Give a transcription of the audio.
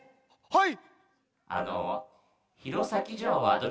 はい。